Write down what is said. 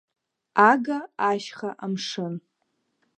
Ага, ашьха, амшын…